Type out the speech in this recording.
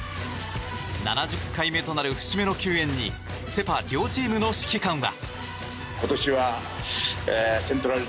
７０回目となる節目の球宴にセ・パ両チームの指揮官は。